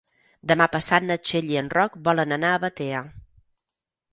Demà passat na Txell i en Roc volen anar a Batea.